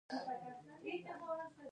دوی تل د شخصي نفوذ په لټه کې دي.